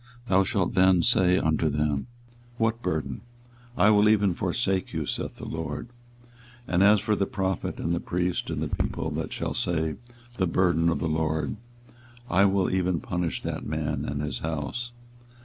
thou shalt then say unto them, What burden? I will even forsake you, saith the LORD. 24:023:034 And as for the prophet, and the priest, and the people, that shall say, The burden of the LORD, I will even punish that man and his house.